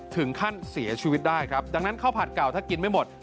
ถึงขั้นเสียชีวิตได้ครับดังนั้นข้าวผัดเก่าถ้ากินไม่หมด